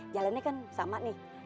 jalannya kan sama nih